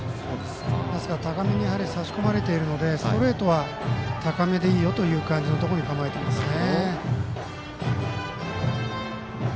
ですから高めに差し込まれているのでストレートは高めでいいよという感じのところで構えていますね。